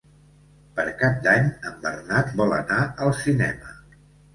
Per Cap d'Any en Bernat vol anar al cinema.